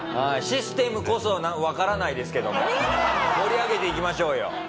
システムこそわからないですけども盛り上げていきましょうよ。